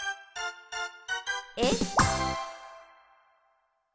えっ？